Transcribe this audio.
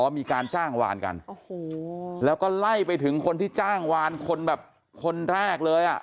มีการจ้างวานกันโอ้โหแล้วก็ไล่ไปถึงคนที่จ้างวานคนแบบคนแรกเลยอ่ะ